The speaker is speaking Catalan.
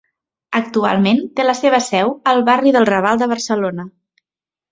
Actualment té la seva seu al barri del Raval de Barcelona.